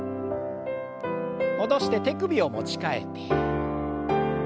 戻して手首を持ち替えて。